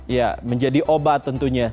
ya menjadi obat tentunya